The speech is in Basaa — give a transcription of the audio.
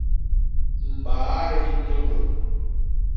Mbaay tôdô.